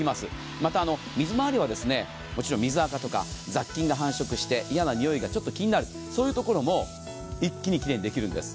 また水回りはもちろん水あかとか雑菌が繁殖して嫌なにおいがちょっと気になる、そういうところも一気にきれいにできるんです。